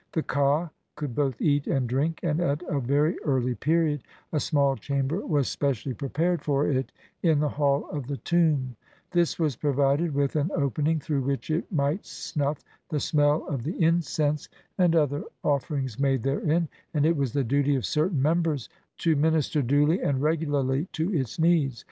The ka could both eat and drink, and at a very early period a small chamber was specially prepared for it in the hall of the tomb ; this was provided with an opening through which it might snuff the smell of the incense and other offer ings made therein, and it was the duty of certain members of the priesthood to minister duly and re gularly to its needs.